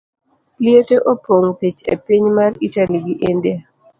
Liete opong' thich e piny mar Italy gi India.